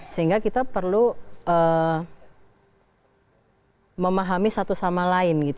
sehingga kita perlu memahami satu sama lain